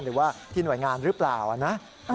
หรือว่าที่หน่วยงานหรือเปล่านะ